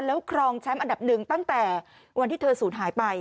แล้วครองแชมป์อันดับหนึ่งตั้งแต่วันที่เธอศูนย์หายไป